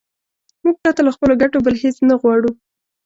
موږ پرته له خپلو ګټو بل هېڅ نه غواړو.